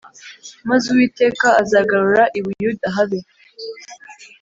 Maze uwiteka azagarura i buyuda habe